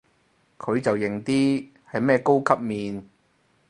佢就型啲，係咩高級面